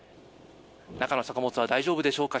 中の作物は大丈夫でしょうか。